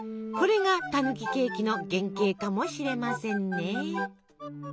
これがたぬきケーキの原型かもしれませんね。